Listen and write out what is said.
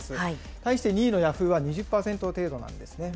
対して２位のヤフーは２０％程度なんですね。